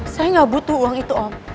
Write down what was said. saya nggak butuh uang itu om